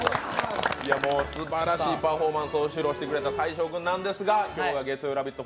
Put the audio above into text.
もうすばらしいパフォーマンスを披露してくれた大昇君ですが、今日が月曜「ラヴィット！」